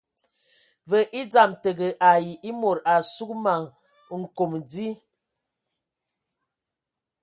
Və e dzam təgə ai e mod a sug ma nkom di.